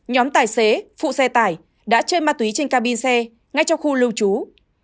nhóm tài xế phụ xe tải đã chơi ma túy trên cabin xe ngay trong khu lưu trú